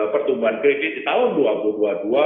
pertumbuhan kredit di tahun dua ribu dua puluh dua